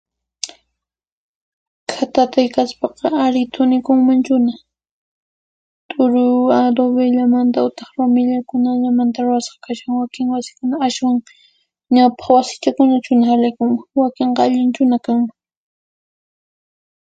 khatatiy kaspaqa, ari, thunikunmanchuna t'uru adobellamanta utaq rumillakunallamanta rurasqa kashan wakin wasikuna, achwan ñawpaq wasichakunachuhina halaykunman wakinqa allinchuna kanman.